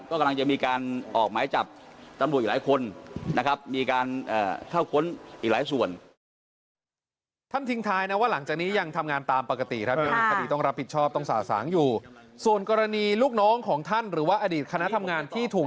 ก็กำลังจะมีการออกหมายจับตำรวจอีกหลายคนนะครับ